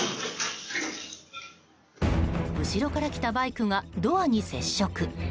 後ろからきたバイクがドアに接触。